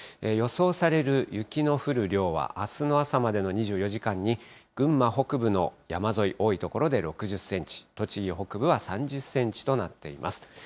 予想される雪の降る量は、あすの朝までの２４時間に、群馬北部の山沿い、多い所で６０センチ、栃木北部は３０センチとなっています。